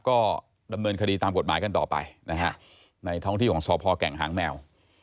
ก็ดำเนินคดีตามกฎหมายกันต่อไปนะฮะในท้องที่ของสพแก่งหางแมว